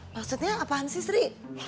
maksudnya apaan sih sri